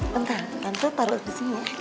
bentar tante taruh di sini ya